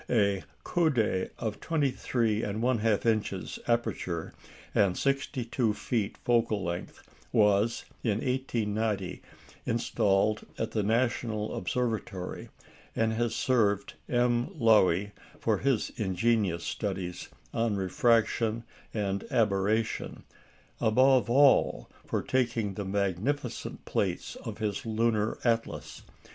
A "coudé," of 23 1/2 inches aperture and 62 feet focal length was in 1890 installed at the National Observatory, and has served M. Loewy for his ingenious studies on refraction and aberration above all, for taking the magnificent plates of his lunar atlas.